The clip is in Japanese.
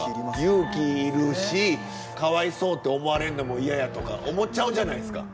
勇気いるしかわいそうって思われんのも嫌やとか思っちゃうじゃないですか。